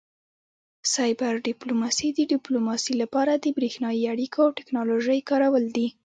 سایبر ډیپلوماسي د ډیپلوماسي لپاره د بریښنایي اړیکو او ټیکنالوژۍ کارول دي